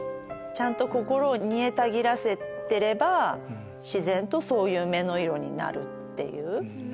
ちゃんと心を煮えたぎらせてれば自然とそういう目の色になるっていう。